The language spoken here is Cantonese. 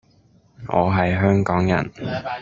我係香港人